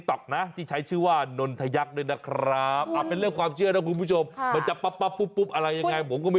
โอ๊ยหลังปั๊บปุ๊บ